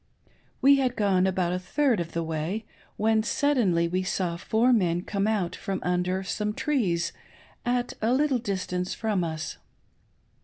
We had gone about a third of the way, when we suddenly saw four men come out from under some trees at a little distance from us.